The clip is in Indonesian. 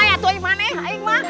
ya itu yang mana ya